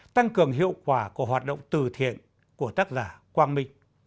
tăng cường hiệu quả của hoạt động từ thiện của tác giả quang minh